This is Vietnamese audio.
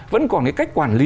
vẫn còn cái cách quản lý